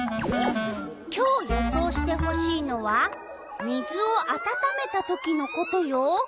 今日予想してほしいのは「水をあたためたときのこと」よ。